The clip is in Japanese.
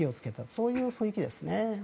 そういう雰囲気ですね。